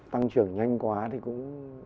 tăng trưởng nhanh quá thì cũng